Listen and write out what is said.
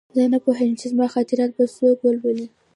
زه نه پوهېږم چې زما خاطرات به څوک ولولي